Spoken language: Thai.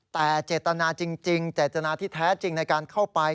แต่เจตนาที่แท้จริงในการเข้าไป